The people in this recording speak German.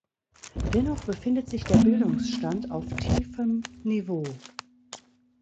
Dennoch befindet sich der Bildungsstand auf tiefem Niveau.